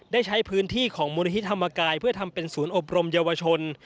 ได้ใช้พื้นที่ของมูลนิธิธรรมกายเพื่อทำเป็นศูนย์อบรมเยาวชน